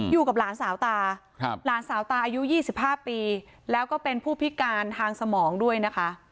อยู่กับหลานสาวตาหลานสาวตาอายุ๒๕ปีแล้วก็เป็นผู้พิการทางสมองด้วยนะคะ